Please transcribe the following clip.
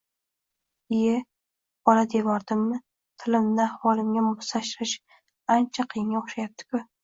Iye, “bola” devordimmi? Tilimni ahvolimga moslashtirish ancha qiyinga o‘xshayapti-ku